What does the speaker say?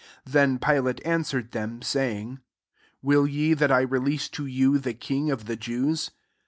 9 Then Pilate answered them, saying, " Will ye that I release to you the king of the Jews